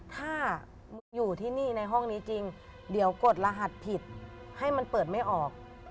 ถ้าอยู่ที่นี่ในห้องนี้จริงเดี๋ยวกดรหัสผิดให้มันเปิดไม่ออก